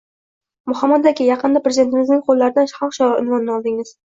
– Muhammad aka, yaqinda Prezidentimizning qo‘llaridan Xalq shoiri unvonini oldingiz